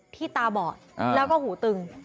ที่ตาบอดแล้วก็หูตึง